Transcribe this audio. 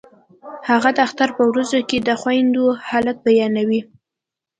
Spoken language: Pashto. هغه د اختر په ورځو کې د خویندو حالت بیانوي